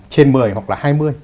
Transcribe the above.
trên một mươi hoặc là hai mươi